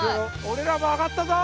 俺らも揚がったぞ！